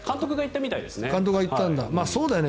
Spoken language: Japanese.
監督が言ったみたいですね。